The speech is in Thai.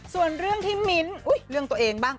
ส่วนเรื่องที่มิ้นท์เรื่องตัวเองบ้าง